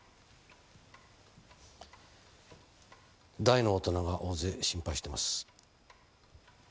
大の大人が大勢心配してます。